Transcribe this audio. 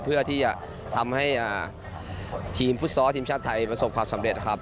เพื่อที่จะทำให้ทีมฟุตซอลทีมชาติไทยประสบความสำเร็จครับ